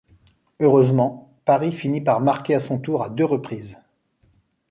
Heureusement, Paris finit par marquer à son tour à deux reprises.